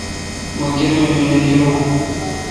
مہ گرمی می نہ گیروں۔